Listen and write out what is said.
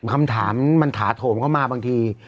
คำถามมันถาโถมเข้ามาบางที